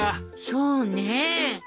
そうねえ。